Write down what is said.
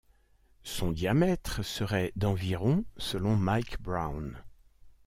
Son diamètre serait d'environ selon Mike Brown.